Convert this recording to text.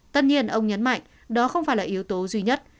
tất nhiên ông nhấn mạnh đó không phải là yếu tố duy nhất